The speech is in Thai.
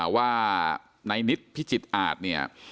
ว่าในนิดพิจิตรอาจเนี่ย